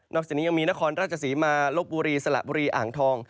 จากนี้ยังมีนครราชศรีมาลบบุรีสละบุรีอ่างทอง